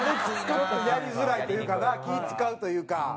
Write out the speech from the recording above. ちょっとやりづらいというかな気ぃ使うというか。